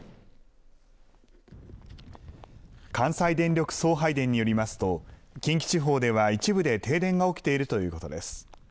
関西電力送配電によりますと、近畿地方では一部で停電が起きているということです。